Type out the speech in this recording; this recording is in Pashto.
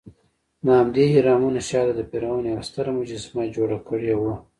دهمدې اهرامونو شاته د فرعون یوه ستره مجسمه جوړه کړې وه.